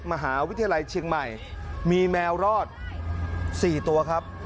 มหาวิทยาลัยเชียงใหม่มีแมวรอด๔ตัวครับ